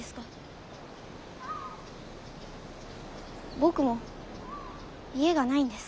僕も家がないんです。